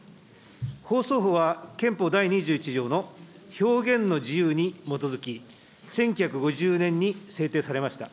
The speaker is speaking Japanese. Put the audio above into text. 放送法は憲法第２１条の表現の自由に基づき、１９５０年に制定されました。